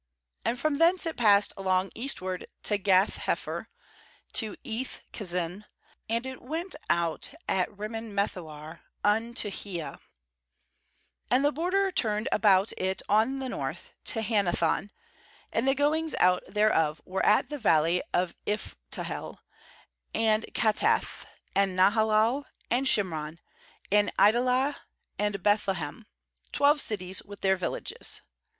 MAnd from thence it passed along eastward to Gath hepher, to Eth kazin; and it went out at Rimmon methoar unto Neah. 14And the border turned about it on the north to Hannathon; and the goings out thereof were at the valley of Iphtahel; 15and Kattath, and Na halal, and Shimron, and Idalah, and Beth lehem; twelve cities with their villages.